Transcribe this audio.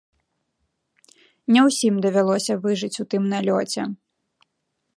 Не ўсім давялося выжыць у тым налёце.